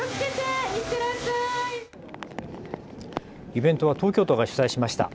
イベントは東京都が主催しました。